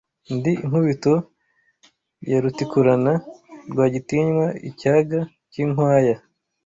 Ndi inkubito ya Rutikurana, Rwagitinywa icyaga cy'inkwaya